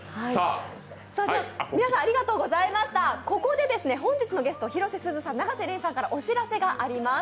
ここで本日のゲスト、広瀬すずさん、永瀬廉さんからお知らせがあります。